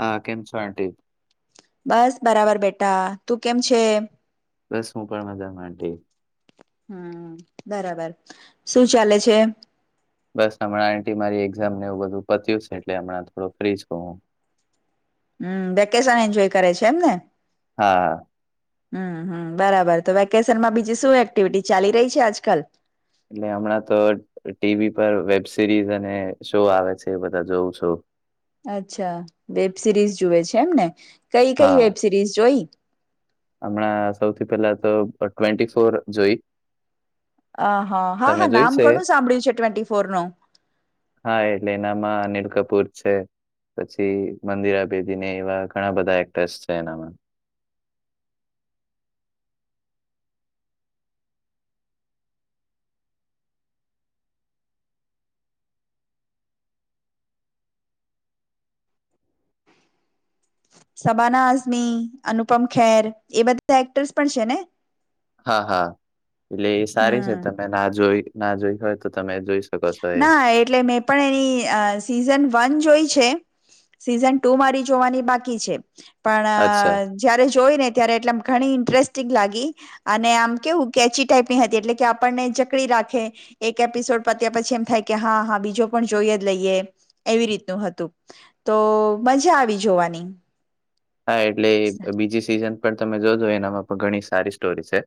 હા કેમછો આન્ટી. બસ બરાબર બેટા, તું કેમ છે. બસ હું પણ મજા માં આન્ટી. હમ્મ.. બરાબર શું ચાલે છે? બસ હમણાં આન્ટી મારી એક્ઝામ નેએવું બધું પત્યું છે એટલે હમણાં થોડું ફ્રી છું હું. હમ્મ વેકેશન એન્જોય કરે છે એમ ને. હા હમ્મ હમ્મ બરાબર તો વેકેશનમાં બીજી શું એક્ટિવિટી ચાલી રહી છે આજકાલ? એટલે હમણાં તો ટીવી પર વેબ સિરીઝ અને શો આવે છે એ બધા જોઉં છું અચ્છા વેબ સિરીઝ જુએ છે એમ ને કઈ કઈ હા વેબ સિરીઝ જોઈ? હમણાં સૌથી પહેલા તો ટ્વેન્ટી ફોર જોઈ. અં આ હા હા તમે જોઈ નામ છે ઘણું સાંભળ્યું છે ટ્વેન્ટી ફોર નું. હા એટલે એનામાં અનિલ કપૂર છે. પછી મંદિરા બેદી ને એવા ઘણા બધા એક્ટર્સ છે એનામાં. સબાના આઝમી, અનુપમ ખેર એ બધા એક્ટર્સ પણ છે ને? હા હા એટલે એ સારી છે હમ તમે ના જોઈ ના જોઈ હોય તો તમે જોઈ શકો. છો એ ના એટલે મેં પણ એની અ સિઝન વન જોઈ છે. સીઝન ટુ મારી જોવાની બાકી છે પણ અચ્છા અં જયારે જોઈ ને ત્યારે એટલે એમ ઘણી ઇન્ટરેસ્ટિંગ લાગી. અને આમ કેવું કેચી ટાઈપની હતી એટલે કે આપણને જકડી રાખે એક એપિસોડ. પત્યા પછી એમ થાય કે હા હા બીજો પણ જોઈએ જ લઈએ એવી રીતનું હતું. તો મજા આવી જોવાની. હા એટલે બીજી સિઝન પણ તમે જોજો એનામાં પણ ઘણી સારી સ્ટોરી છે.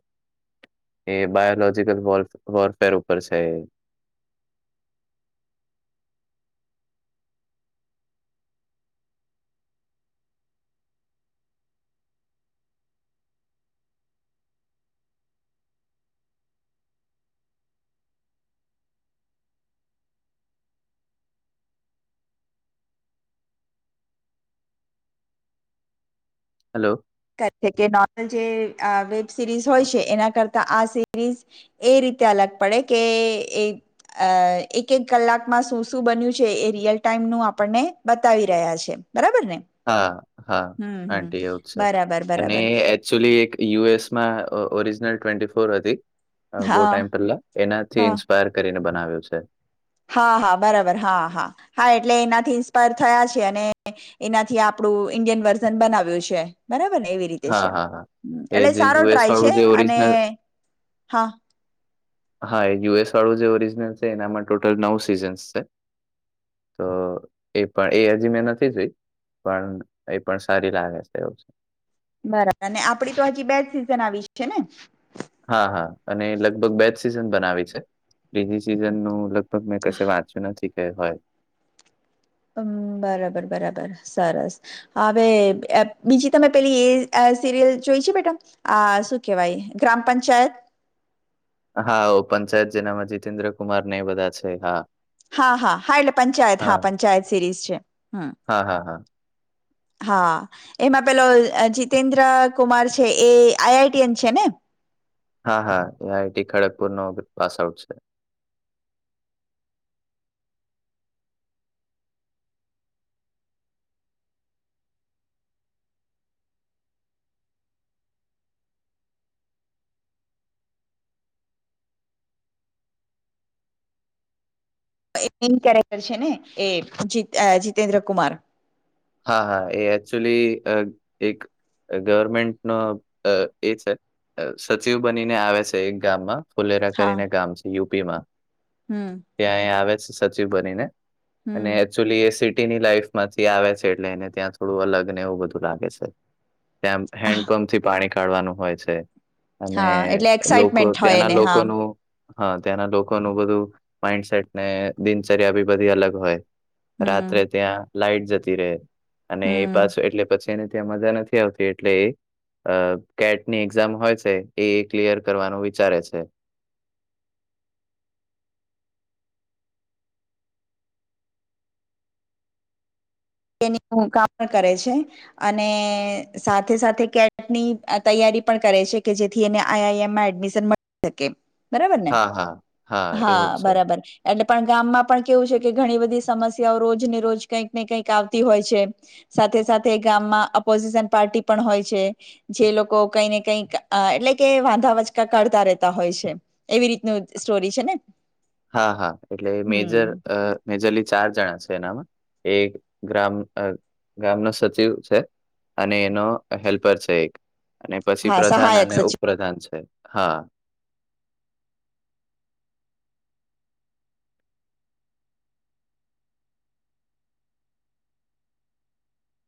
એ બાયોલોજીકલ વોરપેર ઉપર છે એ. હેલો ઘટે કે નોર્મલ જે અ વેબ સિરીઝ હોય છે એના કરતા આ સિરીઝ. એ રીતે અલગ પડે કે એ અ એક એક કલાકમાં શું શું બન્યું છે એ રિયલ ટાઈમનું આપણને બતાવી રહ્યા છે બરાબર ને હા હા હમ હમ આંટી એવું જ છે બરાબર અને બરાબર એ એકચુલી એક યુ એસમાં ઓરિજનલ ટ્વેન્ટી ફોર હતી અ બહુ હા ટાઈમ પેલા એનાથી હા ઇન્સ્પાયર કરીને બનાવ્યું છે હા હા બરાબર હા હા હા એટલે એનાથી ઇન્સ્પાયર થયા છે અને એનાથી આપણું ઈન્ડિયન વર્ઝન બનાવ્યું છે બરાબરને એવી એ રીતે હા, છે હા, હા. એ એટલે જે સારો યુએસ ટ્રાય વાળું છે જે અને ઓરિજિનલ હા હા એ યુ એસ વાળું જે ઓરિજનલ છે એનામાં ટોટલ નવ સીઝન્સ છે તો એ પણ એ હજી મેં નથી જોઈ પણ એ પણ સારી લાગે છે એવું છે બરાબર ને આપણી તો હજી બે જ સિઝન આવી છે ને હા હા અને લગભગ બે જ સિઝન બનાવી છે બીજી સિઝન નું લગભગ મેં કશે વાત જ નથી કે હોય હમ્મ બરાબર બરાબર સરસ હાવે બીજી તમે પેલી એ અ સિરિયલ જોઈ છે બેટા આ શું કેવાય ગ્રામ પંચાયત હા ઓ પંચાયત જેનામાં જીતેન્દ્રકુમારને એ બધા છે હા હા હા હા એટલે પંચાયત હા પંચાયત સિરીઝ છે હમ્મ હા, હા, હા. હા એમાં પેલો જતેેન્દ્રકુમાર છે એ આઈ આઈ ટી એન છે ને હા હા એ આઈ ટી ખડગપુરનો પાસ આઉટ છે એ મેઈન કેરેક્ટર છે ને એ જિતેન્દ્ર જીતેેન્દ્રકુમાર હા હા એ એકક્ચુલી અ એક અ ગવર્મેન્ટનો અ એ છે સચિવ બનીને આવે છે એક ગામમાં ફુલેરા કરીને ગામ છે યુપીમાં હમ્મ ત્યાં એ આવે છે સચિવ બનીને અને હમ એકચુલી એ સિટીની લાઈફ માંથી આવે છે એટલે એને ત્યાં થોડું અલગને એવું બધું લાગે છે ત્યા હેન્ડપંપ થી પાણી કાઢવાનું હોય છે અને હા એટલે લોકો એક્સાઈટમેન્ટ હોય ત્યાંના એને હા લોકોનું હા ત્યાંના લોકોનું બધું માઈન્ડસેટને દિનચર્યા બી બધી અલગ હોય હમ રાત્રે ત્યાં લાઈટ જતી રહે અને એ હમ પાછો એટલે પછી તેને ત્યાં મજા નથી આવતી એટલે એ અ કેટની એક્ઝામ હોય છે એ ક્લિયર કરવાનું વિચારે છે તેની [inaudible] કામ પણ [inaudible] કરે છે અને સાથે સાથે કેટની તૈયારી કરે છે કે જે થી એને આઇ આઇ એમ માં એડમિશન મળી શકે બરાબર ને હા હા હા એવું જ છે. બરાબર એટલે પણ ગામમાં પણ કેવું છે કે ઘણી બધી સમસ્યાઓ રોજ ને રોજ કંઈક ને કઈક આવતી હોય છે સાથે સાથે ગામમાં ઓપોઝિશન પાર્ટી પણ હોય છે જે લોકો કઈ ને કંઈક એટલે કે વાંધા વચકા કાઢતા રહેતા હોય છે એવી રીતનું સ્ટોરી છે ને હા હા એટલે મેજર હમ અ મેજરલી ચાર જણા છે એનામાં એક ગ્રામ ગામનો સચિવ છે અને એનો હેલ્પર છે એક અને પછી હા પ્રધાન સહાયક અને સચિવ ઉપપ્રધાન છે હા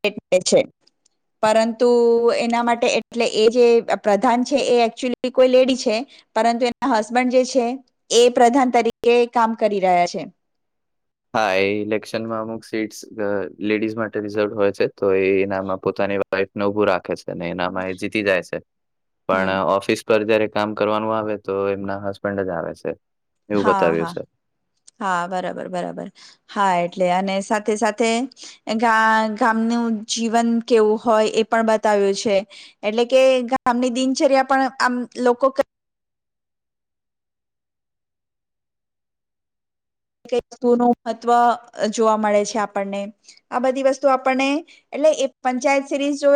એક બે છે પરંતુ, એના માટે એટલે એ જે પ્રધાન છે, એ એકચુલી કોઈ લેડી છે. પરંતુ એમના હસબન્ડ જે છે, એ પ્રધાન તરીકે કામ કરી રહ્યા છે. હા, એ ઇલેક્શન માં અમુક સીટ્સ અ.. લેડીસ માટેની જરૂર હોય છે, તો એ એનામાં પોતાની વાઈફને ઉભું રાખે છે. અને એનામાં એ જીતી જાય છે, પણ હમ ઓફિસ પર જયારે કામ કરવાનું આવે, તો એમના હસબન્ડ જ આવે છે. એવું હા.. બતાવ્યું હા.. છે. હા, બરાબર-બરાબર હા, એટલે અને સાથે-સાથે ગા, ગામનું જીવન કેવું હોય, એ પણ બતાવ્યું છે. એટલે કે ગામની દિનચર્યા પણ આમ લોકો કઈ જૂનું મહત્વ જોવા મળે છે આપણને, આ બધી વસ્તુ આપણને એટલે એ પંચાયત સિરીઝ જો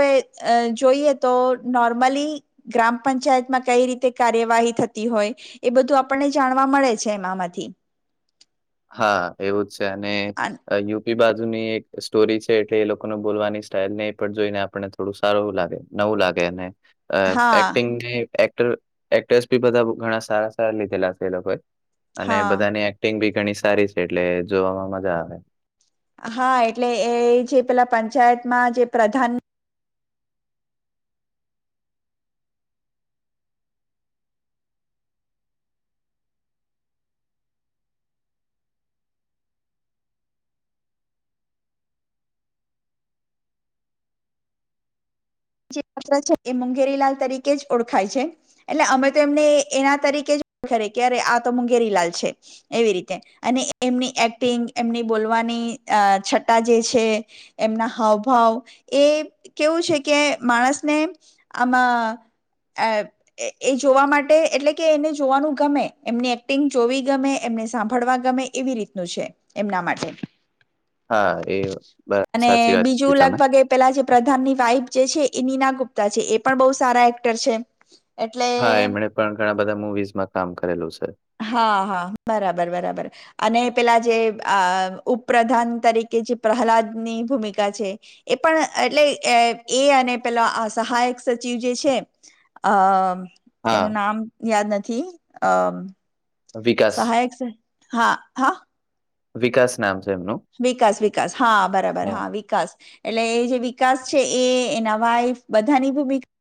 જોઈએ, તો નોર્મલી ગ્રામ પંચાયતમાં કઈ રીતે કાર્યવાહી થતી હોય. એ બધું આપણને જાણવા મળે છે, એમ આમાંથી હા, એવું જ છે અને યુ યુપી બાજુની એક સ્ટોરી છે, તે એ લોકોને બોલવાની સ્ટાઈલને પણ જોઈને આપણને થોડું સારું લાગે. નવું લાગે એને અ.. હા એક્ટિંગ જે એક્ટ્રે, એક્ટ્રેસ બી બધા ઘણા સારા-સારા લીધેલા છે, એ લોકોએ અને હા બધાની એક્ટિંગ બી ઘણી સારી છે એટલે જોવામાં મજા આવે. હા, એટલે એ જે પેલા પંચાયતમાં જે પ્રધાન જે મુગલ છે, એ મુંગેરીલાલ તરીકે જ ઓળખાય છે. એટલે અમે તો એમને એના તરીકે જ ઓરખીએ, કે અરે આ તો મુુંગેરીલાલ છે. એવી રીતે અને એમની એક્ટિંગ એમની બોલવાની અ છટ્ટા જે છે. એમના હાવભાવ એ કેવું છે. કે માણસને આમાં અ એ જોવા માટે એટલે કે એને જોવાનું ગમે એમની એક્ટિંગ જોવી ગમે, એમને સાંભળવા ગમે એવી રીતનું છે, એમના માટે હા, એ બરા સાચી અને વાત બીજું કીધી તમે લગભગ એ પેલા જે પ્રધાન ની વાઈફ જે છે, એ નીના ગુપ્તા છે, એ પણ બહુ સારા એક્ટર છે. એટલે હા, એમણે પણ ઘણા બધા મુવીઝમાં કામ કરેલું છે. હા.. હા, બરાબર-બરાબર અને પેલા જે આ ઉપપ્રધાન તરીકે જે પ્રહલાદની ભૂમિકા છે. એ પણ એટલે અ.. એ અને પેલા અ સહાયક સચિવ જે છે, આ એનું હા, નામ યાદ નથી, અ.. વિકાસ સહાયક સ, હા.. હા વિકાસ નામ છે એમનું વિકાસ-વિકાસ હા, બરાબર હા, વિકાસ એટલે એ જે વિકાસ છે, એ એના વાઈફ બધાની ભૂમિકા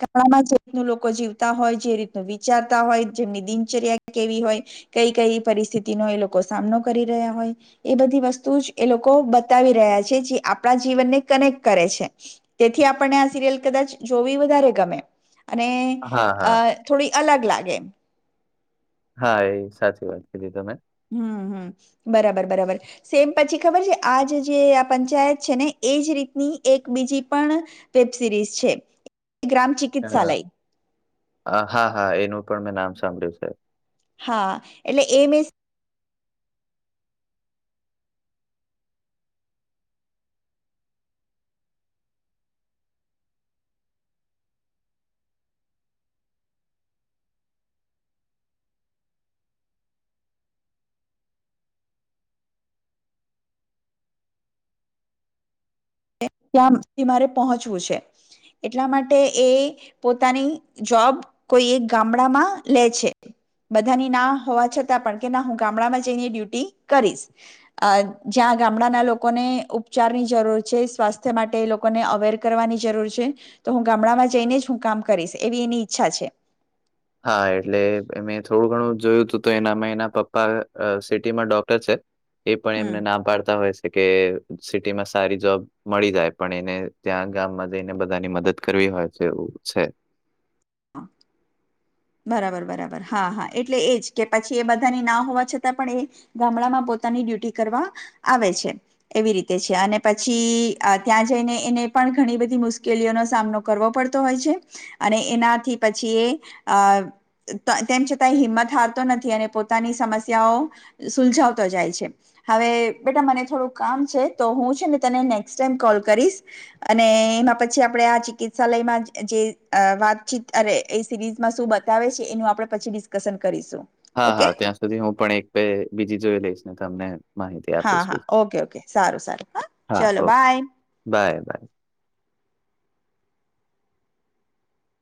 ગામડામાં જે રીતનું લોકો જીવતા હોય, જે રીતનું વિચારતા હોય, જેમની દિનચર્યા કેવી હોય કઈ- કઈ પરિસ્થિતિ હોય, એ લોકો સામનો કરી રહ્યા હોય. એ બધી વસ્તુ જ એ લોકો બતાવી રહ્યા છે, જે આપણા જીવનને કનેક્ટ કરે છે. તેથી આપણને આ સિરિયલ કદાચ જોવી વધારે ગમે અને હા, અ હા. થોડી અલગ લાગે હા, એ સાચી વાત કીધી તમે હમ.. હમ, બરાબર-બરાબર સેમ પછી ખબર છે આજ જે આ પંચાયત છે ને એજ રીતની એક બીજી પણ વેબ સિરીઝ છે ગ્રામ ચી હ હા હા એનું પણ મેં નામ સાંભળ્યું છે. હા એટલે એ મેં ત્યાં મારે પહોંચવું છે એટલા માટે એ પોતાની જોબ કોઈ એક ગામડામાં લે છે. બધાની ના હોવા છતાં પણ કે ના હું ગામડામાં જઈને ડ્યુટી કરીશ. અ જ્યાં ગામડાના લોકોને ઉપચાર ની જરૂર છે સ્વાસ્થ્ય માટે એ લોકોને અવેર કરવાની જરૂર છે. તો હું ગામડામાં જઈને જ હું કામ કરીશ એવી એની ઈચ્છા છે. હા એટલે મે થોડું ઘણું જોયું હતું તો એનામાં એના પપ્પા સિટીમાં ડોક્ટર છે. એ પણ હમ એમને ના પાડતા હોય છે કે સિટીમાં સારી જોબ મળી જાય પણ એને ત્યાં ગામમાં જઈને બધાની મદદ કરવી હોય છે તેવું છે. બરાબર, બરાબર, હા, હા એટલે એજ કે પછી એ બધાની ના હોવા છતાં પણ એ ગામડા માં પોતાની ડ્યુટી કરવા આવે છે. એવી રીતે છે અને પછી ત્યાં જઈને એને પણ ઘણી બધી મુશ્કેલીઓનો સામનો કરવો પડતો હોય છે અને એનાથી પછી એ આ તેમ છતાંય હિંમત હારતો નથી અને પોતાની સમસ્યાઓ સુલજાવતો જાય છે. હવે બેટા મને થોડુંક કામ છે તો હું છે ને તને નેક્સ્ટ ટાઈમ કોલ કરીશ. અને એમાં પછી આપણે આ ચિકિત્સાલયમાં જે વાતચીત અરે એ સિરીઝમાં શું બતાવે છે એનું આપડે પછી ડિસ્કશન કરીશું. હા, ઓકે હા ત્યાં સુધી હું પણ એક બે બીજી જોઈ લઈશ ને તમને માહિતી હા, આપીશ હા, પછી. ઓકે, ઓકે, સારું સારું, હા ચલો, બાય. Bye by.